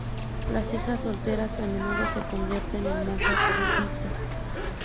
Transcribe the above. Las hijas solteras a menudo se convertían en monjas budistas.